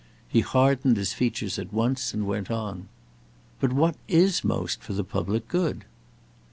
He hardened his features at once, and went on: "But what is most for the public good?"